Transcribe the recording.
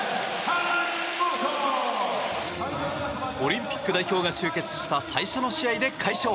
オリンピック代表が集結した最初の試合で快勝。